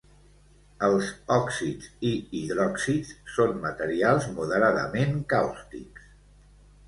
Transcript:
Els òxids i hidròxids són materials moderadament càustics.